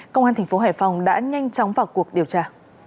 công an thành phố hải phòng đã nhanh chóng vào cuộc điều tra